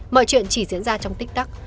mọi chuyện chỉ diễn ra trong tích tắc